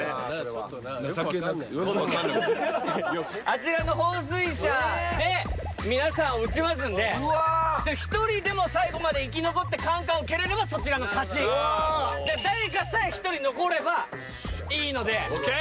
ちょっとなよく分かんないなよく分かんないあちらの放水車で皆さんを撃ちますんで１人でも最後まで生き残ってカンカンを蹴れればそちらの勝ちうわっ誰かさえ１人残ればいいのでオッケー！